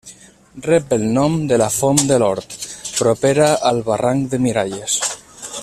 Rep el nom de la Font de l'Hort, propera al barranc de Miralles.